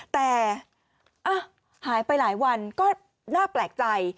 แต่หายไปหลายวันก็น่าแปลกใจ